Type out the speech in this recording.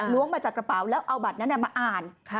มาจากกระเป๋าแล้วเอาบัตรนั้นมาอ่าน